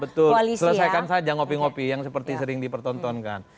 betul selesaikan saja ngopi ngopi yang seperti sering dipertontonkan